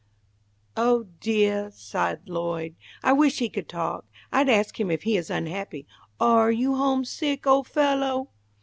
"Oh, deah!" sighed Lloyd, "I wish he could talk. I'd ask him if he is unhappy. Are you homesick, old fellow?"